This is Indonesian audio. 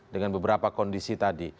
dengan beberapa kondisi